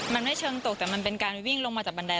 มันไม่เชิงตกแต่มันเป็นการวิ่งลงมาจากบันได